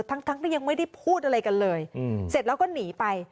ทั้งที่ยังไม่ได้พูดอะไรกันเลยเสร็จแล้วก็หนีไป